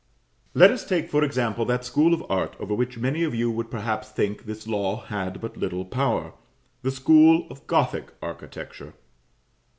Let us take for example that school of art over which many of you would perhaps think this law had but little power the school of Gothic architecture.